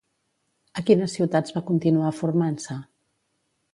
A quines ciutats va continuar formant-se?